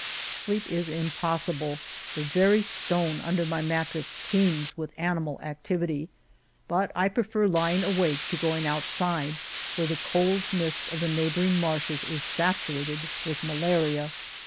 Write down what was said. Sleep 87 Monteil is impossible ; the very stone under my mat tress teems with animal activity, but I prefer lying awake to going outside where the cold mist of the neighboring marshes is saturated with malaria.